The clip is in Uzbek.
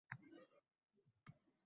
Mol-dunyo deb qay birlari dindan chiqar